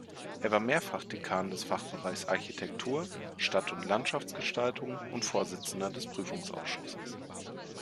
Er war mehrfach Dekan des Fachbereichs Architektur-, Stadt- und Landschaftsgestaltung und Vorsitzender des Prüfungsausschusses.